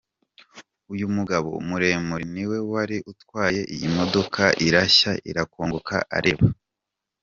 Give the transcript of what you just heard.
Uyu mugabo muremure niwe wari utwaye iyi modoka, irashya irakongoka areba.